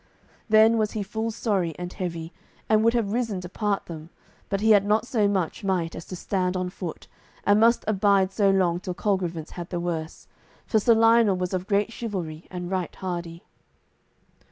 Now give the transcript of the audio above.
Then was he full sorry and heavy, and would have risen to part them. But he had not so much might as to stand on foot, and must abide so long till Colgrevance had the worse, for Sir Lionel was of great chivalry and right hardy.